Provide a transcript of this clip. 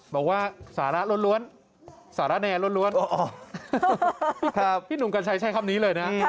บอกว่าสาระล้วนสารแนล้วนพี่หนุ่มกัญชัยใช้คำนี้เลยนะ